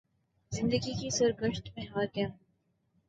زندگی کی سرگزشت میں ہار گیا ہوں۔